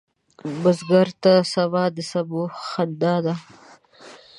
بزګر ته سبا د سبو خندا ده